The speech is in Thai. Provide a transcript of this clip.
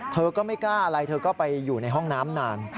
เธอก็ไม่กล้าอะไรเธอก็ไปอยู่ในห้องน้ำนาน